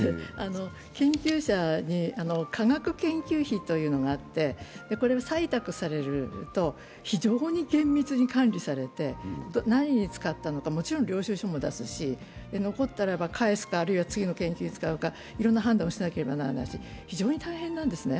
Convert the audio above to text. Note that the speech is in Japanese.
研究者に科学研究費というのがあってこれが採択されると非常に厳密に管理されて、何に使ったのかもちろん領収書も出すし、残ったらば返すか、次の研究費に使うか、いろんな判断をしなければならないし、非常に大変なんですね。